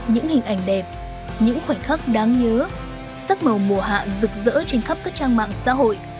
những hình ảnh đẹp những khoảnh khắc đáng nhớ sắc màu mùa hạ rực rỡ trên khắp các trang mạng xã hội